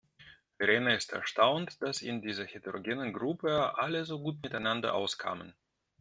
Verena ist erstaunt, dass in dieser heterogenen Gruppe alle so gut miteinander auskamen.